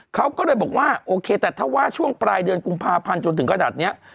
เขาก็เลยบอกว่าโอเคแต่ถ้าว่าช่วงปลายเดือนกุมภาพันธ์จนถึงขนาดนี้